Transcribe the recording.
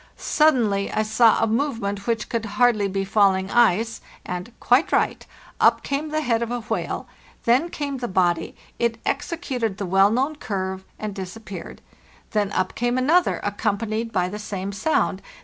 Suddenly I sawa movement which could hardly be falling ice, and—quite right—up came the head of a whale; then came the body; it executed the well known curve, and disappeared. Then up came another, accompanied by the same sound.